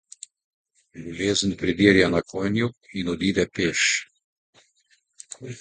Bolezen pridirja na konju in odide peš.